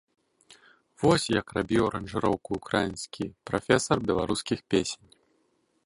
Вось як рабіў аранжыроўку ўкраінскі прафесар беларускіх песень!